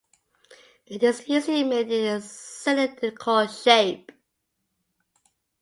It is usually made in a cylindrical shape.